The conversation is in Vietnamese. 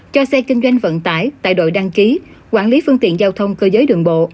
cho xe kinh doanh vận tải tại đội đăng ký quản lý phương tiện giao thông cơ giới đường bộ